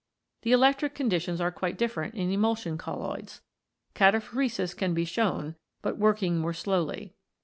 The electric conditions are quite different in emulsion colloids. Cataphoresis can be shown, but working more slowly.